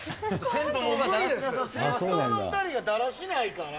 先頭の２人がだらしないから。